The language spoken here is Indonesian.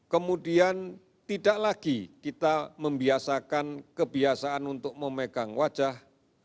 kemudian tidak lagi kita membiasakan kebiasaan untuk memegang wajah